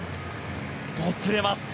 もつれます。